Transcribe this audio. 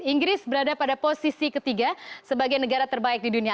inggris berada pada posisi ketiga sebagai negara terbaik di dunia